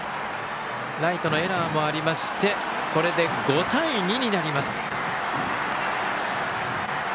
ライトのエラーもありましてこれで５対２になります。